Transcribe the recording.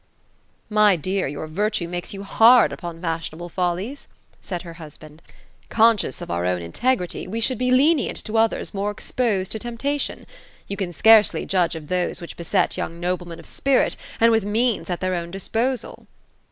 My dear, your virtue makes you hard upon fashionable follies;" said her husband. *' Conscious of our own integrity, we should be len ient to otliers more exposed to temptation. You can scarcely judge of those which beset young noblemen of spirit, and with means at their own disposal."